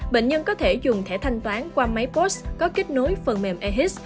bệnh nhân có thể dùng thẻ thanh toán qua máy post có kết nối phần mềm ehis